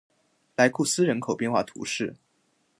莱库斯人口变化图示